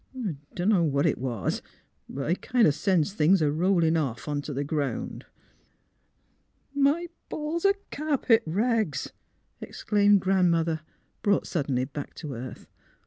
Dunno what 'twas ; but I kind o ' sensed things a rollin' off ont' the' ground." " My balls o' carpet rags! " exclaimed Grand mother, brought suddenly back to earth.